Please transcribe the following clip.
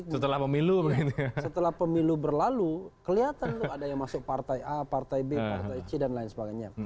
setelah pemilu berlalu kelihatan ada yang masuk partai a partai b partai c dan lain sebagainya